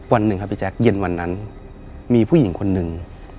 วันหนึ่งครับพี่แจ๊คเย็นวันนั้นมีผู้หญิงคนหนึ่ง